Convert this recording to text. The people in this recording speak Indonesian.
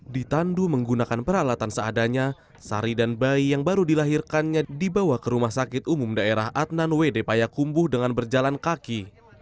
di tandu menggunakan peralatan seadanya sari dan bayi yang baru dilahirkannya dibawa ke rumah sakit umum daerah adnan wd payakumbuh dengan berjalan kaki